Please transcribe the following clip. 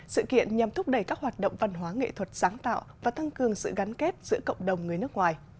sự kiện nhằm thúc đẩy các hoạt động văn hóa nghệ thuật sáng tạo và tăng cường sự gắn kết giữa cộng đồng người nước ngoài